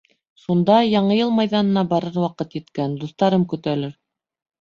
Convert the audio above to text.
Шунда, Яңы йыл майҙанына барыр ваҡыт еткән, дуҫтарым көтәлер.